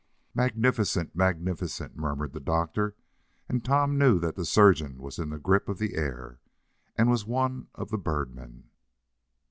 "Magnificent! Magnificent!" murmured the doctor, and then Tom knew that the surgeon was in the grip of the air, and was one of the "bird men."